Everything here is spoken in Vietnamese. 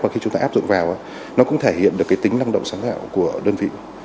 khi chúng ta áp dụng vào nó cũng thể hiện được cái tính năng động sáng tạo của đơn vị